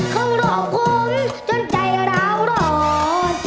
เข้ารอบคุมจนใจเราร้อน